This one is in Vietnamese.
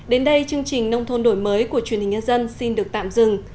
đến đây chương trình nông thôn đổi mới của truyền hình nhân dân xin được tạm dừng